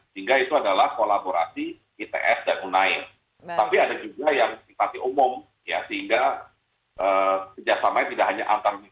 sehingga itu adalah kolaborasi its dan unair